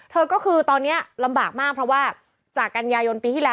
เธอก็คือตอนนี้ลำบากมากเพราะว่า